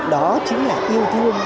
đó chính là yêu thương